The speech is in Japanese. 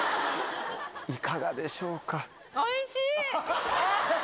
いかがでしょうか。